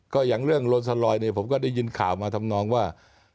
ก็อย่างเรื่องโลซาลอยเนี่ยผมก็ได้ยินข่าวมาทำนองว่า